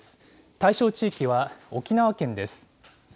対象地域は沖縄県です。